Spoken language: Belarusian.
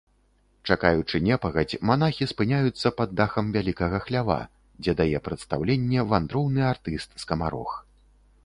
Чакаючы непагадзь, манахі спыняюцца пад дахам вялікага хлява, дзе дае прадстаўленне вандроўны артыст-скамарох.